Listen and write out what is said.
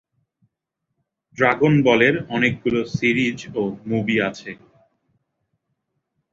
Dragon বলের অনেকগুলো series ও মুভি আছে।